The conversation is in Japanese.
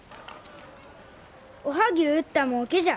おはぎゅう売ったもうけじゃ。